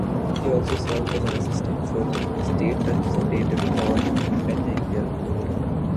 He also served as an assistant for State Representative Dawn Pettengill.